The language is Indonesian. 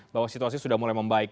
bahwa situasi sudah mulai membaik